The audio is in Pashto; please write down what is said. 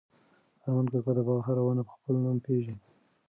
ارمان کاکا د باغ هره ونه په خپل نوم پېژني.